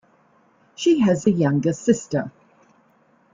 She has a younger sister.